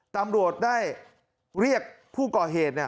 ตำรวจได้เรียกผู้ก่อเหตุ